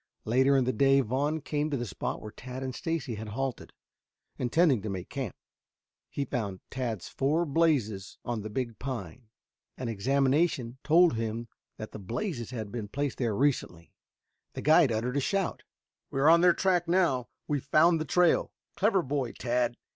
Later in the day Vaughn came to the spot where Tad and Stacy had halted, intending to make camp. He found Tad's four blazes on the big pine. An examination told him that the blazes had been placed there recently. The guide uttered a shout. "We are on their track now. We've found the trail. Clever boy, Tad!